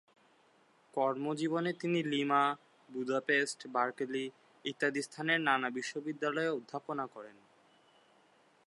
কর্মজীবনে তিনি Lima, Budapest, Berkeley ইত্যাদি স্থানের নানা বিশ্ববিদ্যালয়ে অধ্যাপনা করেন।